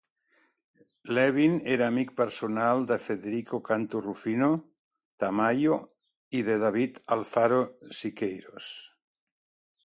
Lewin era amic personal de Federico Cantu Rufino Tamayo i de David Alfaro Siqueiros.